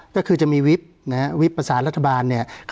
ก็คือจะมีวิบวิบภาษารัฐบาล